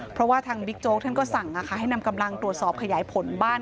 เพราะว่าทางบิ๊กโจ๊กท่านก็สั่งให้นำกำลังตรวจสอบขยายผลบ้าน